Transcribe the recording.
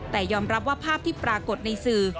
แต่ยอมรับว่าภาพที่ปรากฏในสื่อ